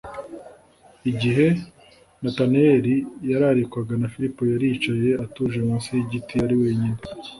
Igihe Natanayeli yararikwaga na Filipo yari yicaye atuje munsi y'igiti ari wenyine,